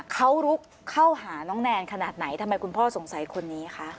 เขาลุกเข้าหาน้องแนนขนาดไหนทำไมคุณพ่อสงสัยคนนี้คะ